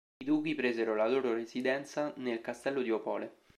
I duchi presero la loro residenza nel castello di Opole.